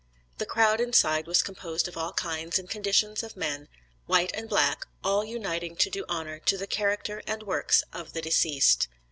The crowd inside was composed of all kinds and conditions of men, white and black, all uniting to do honor to the character and works of the deceased.